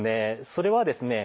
それはですね